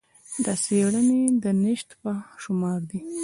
دا څېړنې د نشت په شمار دي.